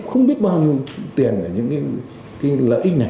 không biết bao nhiêu tiền những lợi ích này